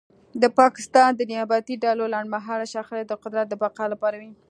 د پاکستان د نیابتي ډلو لنډمهاله شخړې د قدرت د بقا لپاره وې